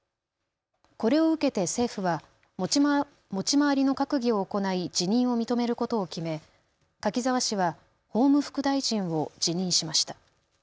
これを受けて政府は持ち回りの閣議を行い辞任を認めることを決め柿沢氏は法務副大臣を辞任しました。